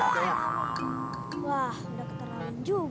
wah udah keterlaluan juga